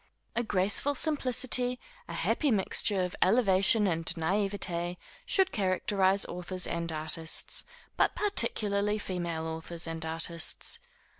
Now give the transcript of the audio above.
A graceful simplicity, a happy mixture of elevation and naïveté, should characterise authors and artists, but particularly female authors and artists.